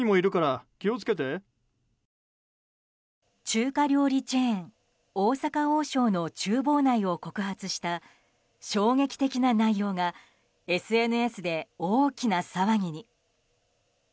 中華料理チェーン大阪王将の厨房内を告発した衝撃的な内容がＳＮＳで大きな騒ぎに。